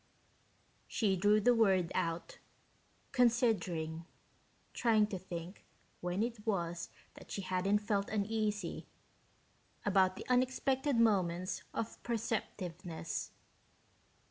She drew the word out, considering, trying to think when it was that she hadn't felt uneasy about the unexpected moments of perceptiveness.